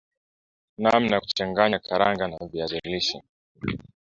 namna ya kuchanganya karanga na viazi lishe